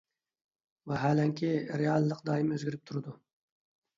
ۋاھالەنكى، رېئاللىق دائىم ئۆزگىرىپ تۇرىدۇ.